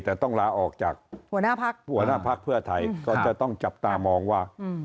แต่ต้องลาออกจากหัวหน้าพักหัวหน้าพักเพื่อไทยก็จะต้องจับตามองว่า